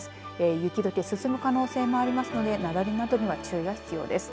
雪どけ進む可能性もありますので雪崩などには注意が必要です。